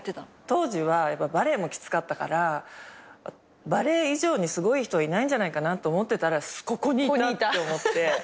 当時はバレーもきつかったからバレー以上にすごい人いないんじゃないかと思ってたらここにいたって思って。